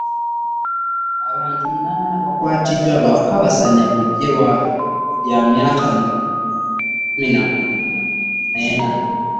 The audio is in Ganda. Abantu munaana bakwatiddwa lwa kukabasanya bbujje lya myaka kkumi n'ena.